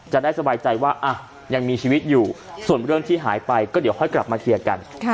จะได้สบายใจว่ายังมีชีวิตอยู่ส่วนเรื่องที่หายไปก็เดี๋ยวค่อยกลับมาเคลียร์กัน